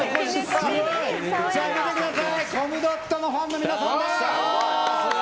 見てください、コムドットのファンの皆さんです！